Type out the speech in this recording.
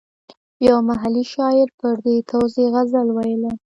یو محلي شاعر پر دې توزېع غزل ویلی.